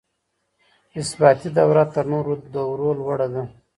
اثباتي دوره تر نورو دورو لوړه ده.